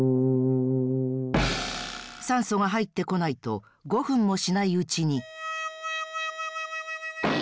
さんそがはいってこないと５分もしないうちに。